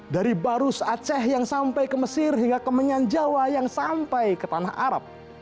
dari barus aceh yang sampai ke mesir hingga kemenyan jawa yang sampai ke tanah arab